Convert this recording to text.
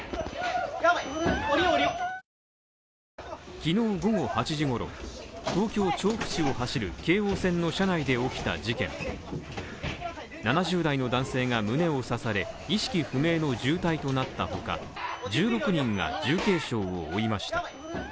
きのう午後８時ごろ、東京調布市を走る京王線の車内で起きた事件７０代の男性が胸を刺され、意識不明の重体となったほか、１６人が重軽傷を負いました。